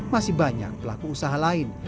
masih banyak pelaku usaha lain